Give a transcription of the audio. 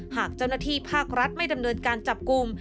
หากเจ้าหน้าที่ภาครัฐไม่ดำเนินการจับกลุ่ม